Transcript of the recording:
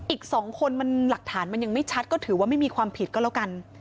อีก๒คนมันหลักฐานมันยังไม่ชัดก็ถือว่าไม่มีความผิดก็แล้วกัน